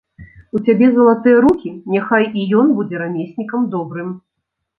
У цябе залатыя рукі, няхай і ён будзе рамеснікам добрым.